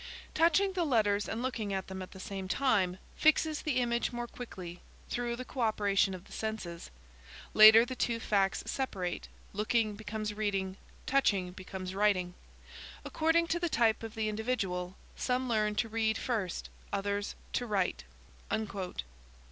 "Touching the letters and looking at them at the same time, fixes the image more quickly through the co operation of the senses. Later, the two facts separate; looking becomes reading; touching becomes writing. According to the type of the individual, some learn to read first, others to write."